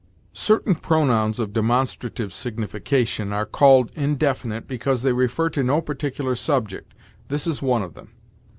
Certain pronouns of demonstrative signification are called indefinite because they refer to no particular subject. This is one of them.